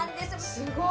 すごい！